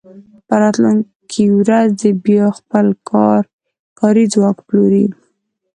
په راتلونکې ورځ بیا خپل کاري ځواک پلوري